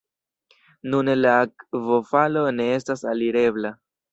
Nune la akvofalo ne estas alirebla.